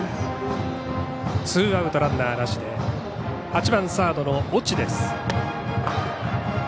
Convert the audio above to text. ツーアウトランナーなしで８番サードの越智です。